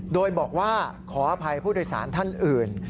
โดยบอกว่าขออภัยผู้โดยสารท่านอื่น